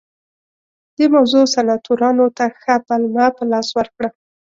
دې موضوع سناتورانو ته ښه پلمه په لاس ورکړه